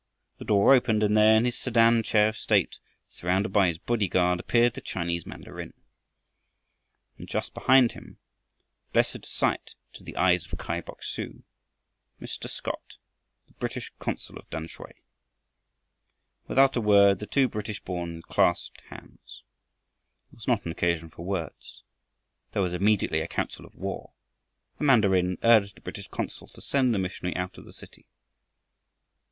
The door opened, and there in his sedan chair of state surrounded by his bodyguard, appeared the Chinese mandarin. And just behind him blessed sight to the eyes of Kai Bok su Mr. Scott, the British consul of Tamsui! Without a word the two British born clasped hands. It was not an occasion for words. There was immediately a council of war. The mandarin urged the British consul to send the missionary out of the city.